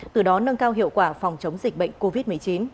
từ đó nâng cao hiệu quả phòng chống dịch bệnh covid một mươi chín